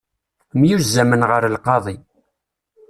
Myuzzamen ɣer lqaḍi.